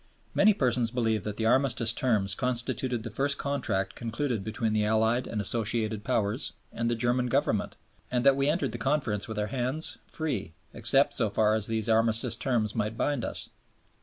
Many persons believe that the Armistice Terms constituted the first Contract concluded between the Allied and Associated Powers and the German Government, and that we entered the Conference with our hands, free, except so far as these Armistice Terms might bind us.